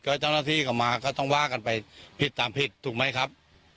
ก็เจ้าหน้าที่กลับมาก็ต้องว่ากันไปผิดตามผิดถูกไหมครับ